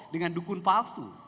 dengan dukun palsu